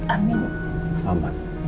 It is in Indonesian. i mean mama